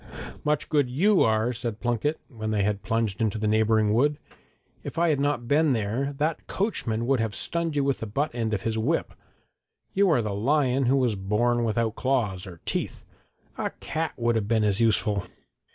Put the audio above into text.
'Much good you are!' said Plunket, when they had plunged into the neighbouring wood. 'If I had not been there that coachman would have stunned you with the butt end of his whip. You are the lion who was born without claws or teeth! A cat would have been as useful.'